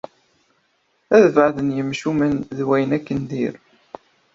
Ad beɛden yimcumen d wayen akk n dir.